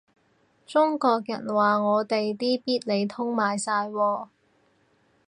中國人話我哋啲必理痛賣晒喎